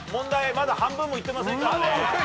まだ半分もいってませんから。